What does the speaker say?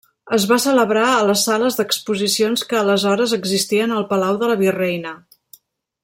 Es va celebrar a les sales d’exposicions que aleshores existien al Palau de la Virreina.